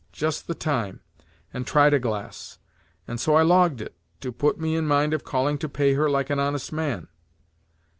just the time and tried a glass; and so I logged it, to put me in mind of calling to pay her like an honest man."